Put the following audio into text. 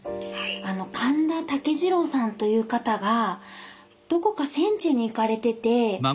カンダタケジロウさんという方がどこか戦地に行かれてて。